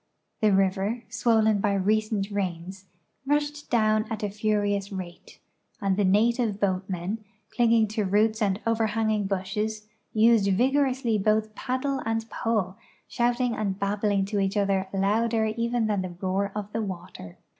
The river, swollen by recent rains, rushed down at a furious rate, and the native boatmen, clinging to roots and over hanging bushes, used vigorously both paddle and pole, shouting and babbling to each other louder even than the roar of the water.